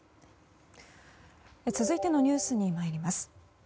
続いてのニュースに参ります。